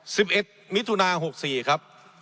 สิบเอ็กส์มิทุนา๖๔ครับ